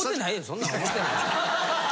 そんなん思てないよ！